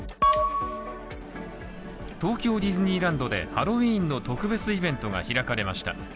東京ディズニーランドでハロウィーンの特別イベントが開かれました。